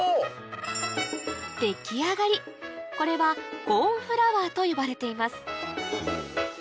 出来上がりこれはコーンフラワーと呼ばれています